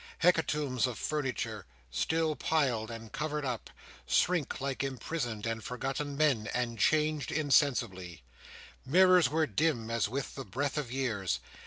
Hecatombs of furniture, still piled and covered up, shrunk like imprisoned and forgotten men, and changed insensibly. Mirrors were dim as with the breath of years.